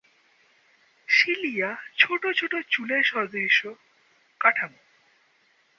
Cilia ছোট ছোট চুলের সদৃশ কাঠামো।